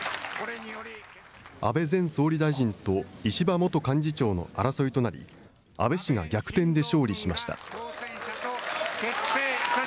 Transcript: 安倍前総理大臣と石破元幹事長の争いとなり、安倍氏が逆転で勝利しました。